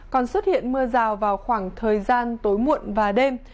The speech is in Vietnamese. còn xuất hiện mưa rào vào khoảng thời gian tối muộn và đêm